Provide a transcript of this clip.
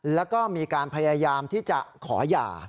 แล้วก็มีการพยายามที่จะขอหย่า